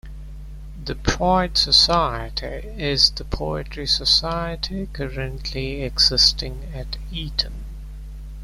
The "Praed" society is the poetry society currently existing at Eton.